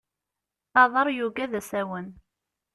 Aḍar yugad asawen.